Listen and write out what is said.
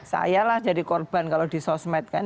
sayalah jadi korban kalau di sosmed kan